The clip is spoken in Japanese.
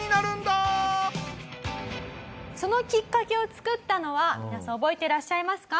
そのきっかけを作ったのは皆さん覚えてらっしゃいますか？